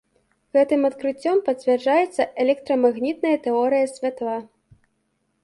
Гэтым адкрыццём пацвярджаецца электрамагнітная тэорыя святла.